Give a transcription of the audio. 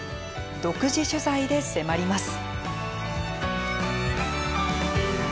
独自取材で迫ります。